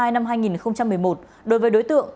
năm hai nghìn một mươi một đối với đối tượng